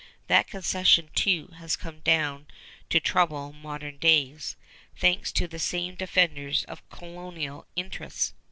That concession, too, has come down to trouble modern days, thanks to the same defenders of colonial interests.